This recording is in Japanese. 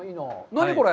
何これ？